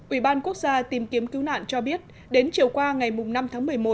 ủy ban quốc gia tìm kiếm cứu nạn cho biết đến chiều qua ngày năm tháng một mươi một